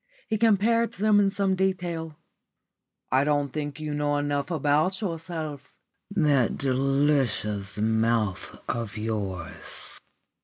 He compared them in some detail. "I don't think you know enough about yourself," he said. "That delicious mouth of yours!"